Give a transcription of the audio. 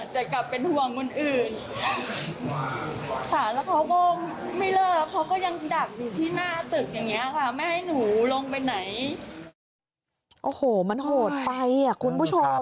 จะกลับเป็นห่วงคนอื่น